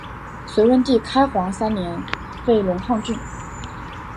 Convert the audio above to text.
隋文帝开皇三年废龙亢郡。